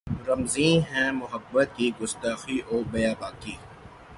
رمزیں ہیں محبت کی گستاخی و بیباکی